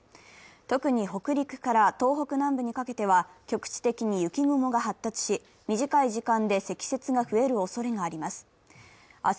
特に北陸から東北南部にかけては局地的に雪雲が発達し短い時間で積雪が増えるおそれがあります。